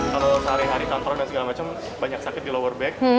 kalau sehari hari tangkron dan segala macam banyak sakit di lower bag